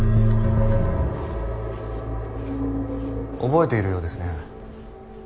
覚えているようですね。